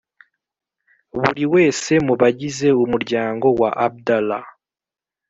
buri wese mu bagize umuryango wa abdallah